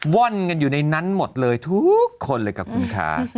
ว่อนกันอยู่ในนั้นหมดเลยทุกคนเลยค่ะคุณคะ